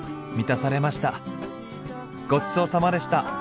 ごちそうさまでした！